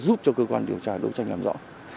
giúp cho cơ quan điều tra đấu tranh làm rõ